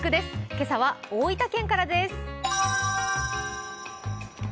今朝は大分県からです。